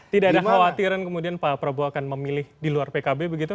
tidak ada khawatiran kemudian pak prabowo akan memilih di luar pkb begitu